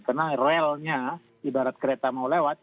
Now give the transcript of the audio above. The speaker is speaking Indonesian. karena relnya ibarat kereta mau lewat